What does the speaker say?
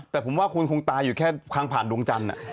แต่ผมว่าคุณคงตายอยู่แค่ทางผ่านดวงจันทร์